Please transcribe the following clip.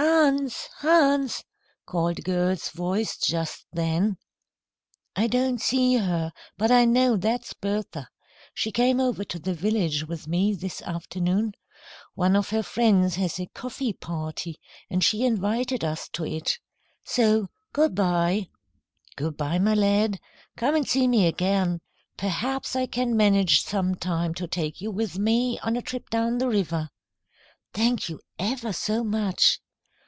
"Hans! Hans!" called a girl's voice just then. "I don't see her, but I know that's Bertha. She came over to the village with me this afternoon. One of her friends has a coffee party and she invited us to it. So, good bye." "Good bye, my lad. Come and see me again. Perhaps I can manage sometime to take you with me on a trip down the river." "Thank you ever so much."